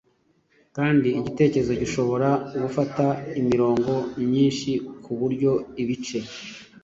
kandi igitekerezo gishobora gufata imirongo myinshi ku buryo ibice